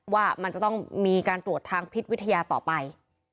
ว่ามันจะต้องมีการตรวจทางพิษวิทยาต่อไป